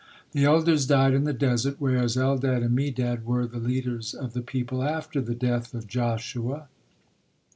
The elders died in the desert, whereas Eldad and Medad were the leaders of the people after the death of Joshua.